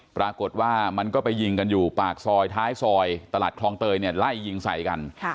ปรากฏว่ามันก็ไปยิงกันอยู่ปากซอยท้ายซอยตลาดคลองเตยเนี่ยไล่ยิงใส่กัน